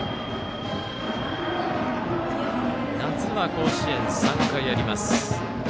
夏は甲子園、３回あります。